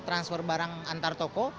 transfer barang antar toko